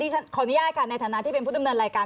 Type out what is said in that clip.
ขออนุญาตค่ะในฐานะที่เป็นผู้ดำเนินรายการ